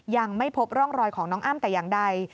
ยังไม่พบร่องรอยของน้องอ้ำแต่อย่างใด